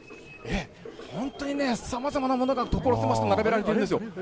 本当にね、さまざまなものが所狭しと並べられているんですよ。